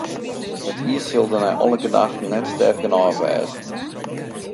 It iis sil dêr nei alle gedachten net sterk genôch wêze.